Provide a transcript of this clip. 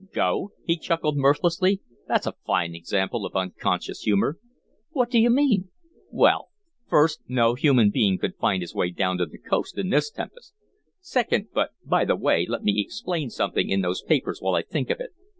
"Go," he chuckled, mirthlessly. "That's a fine example of unconscious humor." "What do you mean?" "Well, first, no human being could find his way down to the coast in this tempest; second but, by the way, let me explain something in those papers while I think of it."